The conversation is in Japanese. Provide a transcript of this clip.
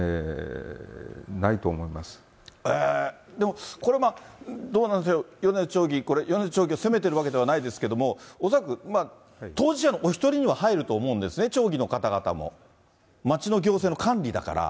でもこれまあ、どうなんでしょう、米津町議、米津町議を責めてるわけじゃないですけれども、恐らく、当事者のお一人には入ると思うんですね、町議の方々も、町の行政の管理だから。